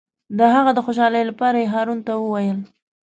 د هغه د خوشحالۍ لپاره یې هارون ته وویل.